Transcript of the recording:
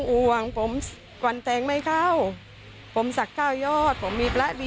อืม